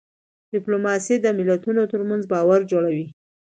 ډيپلوماسي د ملتونو ترمنځ باور جوړوي.